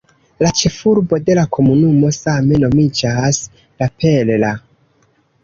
La ĉefurbo de la komunumo same nomiĝas "La Perla".